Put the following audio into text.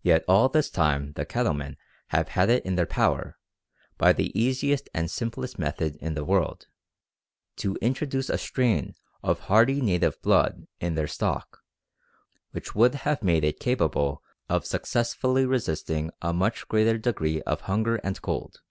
Yet all this time the cattlemen have had it in their power, by the easiest and simplest method in the world, to introduce a strain of hardy native blood in their stock which would have made it capable of successfully resisting a much greater degree of hunger and cold.